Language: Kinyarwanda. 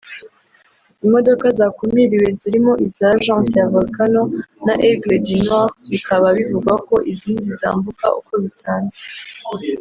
Imodoka zakumiriwe zirimo iza Agence ya Volcano na Aigle du Nord bikaba bivugwa ko izindi zambuka uko bisanzwe